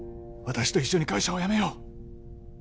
私と一緒に会社を辞めよう